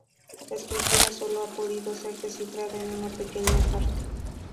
La escritura solo ha podido ser descifrada en una pequeña parte.